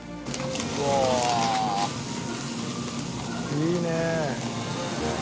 いいね！